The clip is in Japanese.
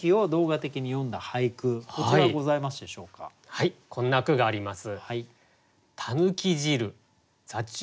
はいこんな句があります。